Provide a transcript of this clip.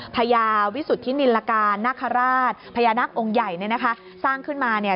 พญาวิสุทธินิลกานักฮราชพญานักองค์ใหญ่สร้างขึ้นมาเนี่ย